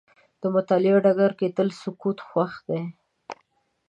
د مطالعې ډګر کې تل سکوت خوښ دی.